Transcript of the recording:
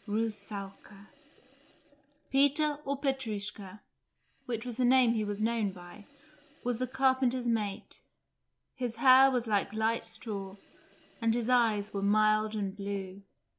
RUSSALKA Peter, or Petrushka, which was the name he was known by, was the carpenter's mate; his hair was like light straw, and his eyes were mild and blue.